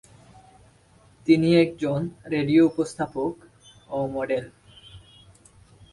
তিনি একজন রেডিও উপস্থাপক ও মডেল।